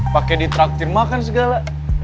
pakai ditraktir makan segala